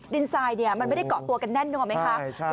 ดินทรายเนี่ยมันไม่ได้เกาะตัวกันแน่นนึกออกไหมคะใช่